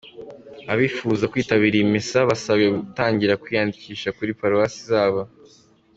Abifuza kwitabira iyi misa basabwe gutangira kwiyandikisha kuri paruwasi zabo.